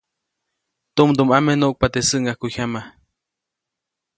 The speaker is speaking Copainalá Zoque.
Tumdumʼame nuʼkpa teʼ säŋʼajkujyama.